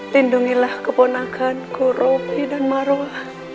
lindungilah keponakan ku ropi dan marwa